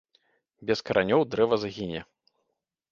Без каранёў дрэва загіне.